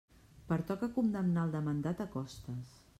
Pertoca condemnar el demandat a costes.